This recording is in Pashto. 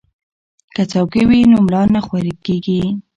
که څوکۍ وي نو ملا نه خوږیږي.